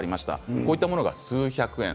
こういうものが数百円。